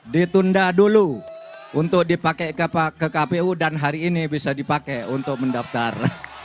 ditunda dulu untuk dipakai ke kpu dan hari ini bisa dipakai untuk mendaftar